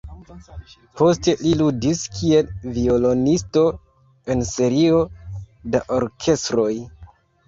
Poste li ludis kiel violonisto en serio da orkestroj.